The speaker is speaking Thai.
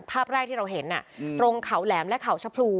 ภาพแรกที่เราเห็นตรงเขาแหลมและเขาชะพลู